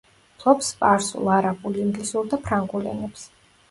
ფლობს სპარსულ, არაბულ, ინგლისურ და ფრანგულ ენებს.